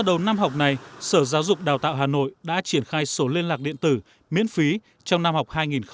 đầu năm học này sở giáo dục đào tạo hà nội đã triển khai sổ liên lạc điện tử miễn phí trong năm học